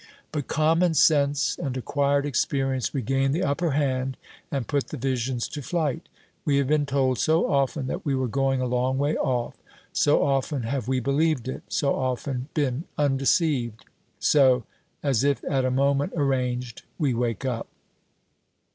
But common sense and acquired experience regain the upper hand and put the visions to flight. We have been told so often that we were going a long way off, so often have we believed it, so often been undeceived! So, as if at a moment arranged, we wake up.